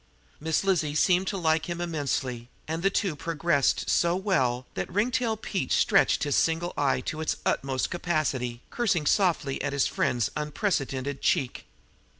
Miss Lizzie seemed to like him immensely, and the two progressed so well that Ringtail stretched his single eye to its utmost capacity, cursing softly at his friend's unprecedented cheek.